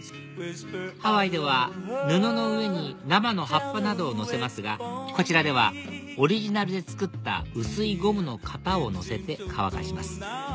ハワイでは布の上に生の葉っぱなどをのせますがこちらではオリジナルで作った薄いゴムの型をのせて乾かします